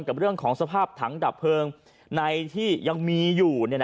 กับเรื่องของสภาพถังดับเพลิงในที่ยังมีอยู่